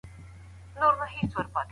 که په نوره شتمنۍ شي زيار کنګال دى